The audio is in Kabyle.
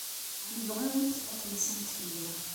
Ɛemmdeɣ-awent ad teḍsemt fell-i.